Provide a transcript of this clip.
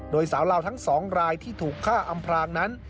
โดยสาวลาวทั้ง๒รายที่ถูกฆ่าอำพรางนั้น